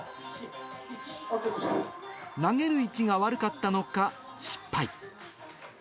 投げる位置が悪かったのか、失敗。